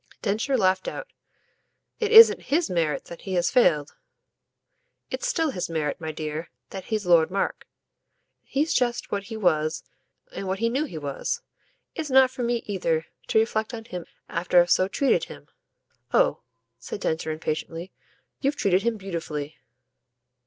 Densher laughed out. "It isn't HIS merit that he has failed." "It's still his merit, my dear, that he's Lord Mark. He's just what he was, and what he knew he was. It's not for me either to reflect on him after I've so treated him." "Oh," said Densher impatiently, "you've treated him beautifully."